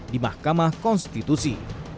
di mahkamah konstitusi